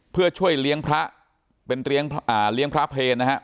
เพื่อช่วยเลี้ยงพระเป็นเลี้ยงพระเพลนะฮะ